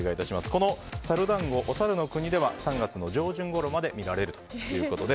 猿団子、お猿の国では３月の上旬ごろまで見られるということです。